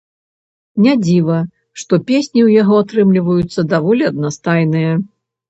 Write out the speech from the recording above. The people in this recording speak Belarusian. Не дзіва, што песні ў яго атрымліваюцца даволі аднастайныя.